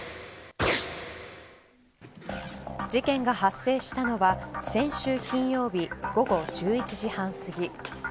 事件が発生したのは先週金曜日午後１１時半すぎ。